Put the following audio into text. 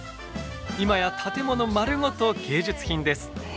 今や建物丸ごと芸術品です。